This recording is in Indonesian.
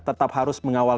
tetap harus mengawal